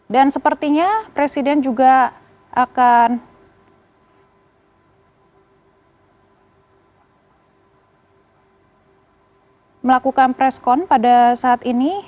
dan sepertinya presiden juga akan melakukan preskon pada saat ini